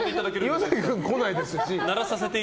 岩崎君来ないですし。